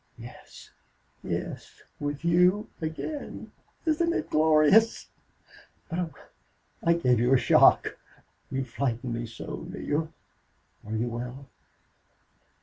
"Yes yes.... With you again! Isn't it glorious? But, oh! I gave you a shock. You frightened me so. Neale, are you well?"